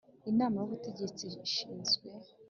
Inama y Ubutegetsi ishinzwe